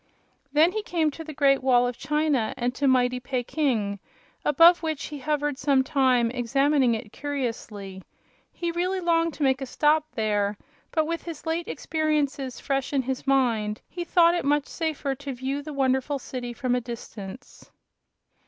Then he came to the Great Wall of China and to mighty Peking, above which he hovered some time, examining it curiously. He really longed to make a stop there, but with his late experiences fresh in his mind he thought it much safer to view the wonderful city from a distance.